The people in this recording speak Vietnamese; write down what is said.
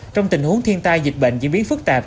trong tình huống thiên tai dịch bệnh diễn biến phức tạp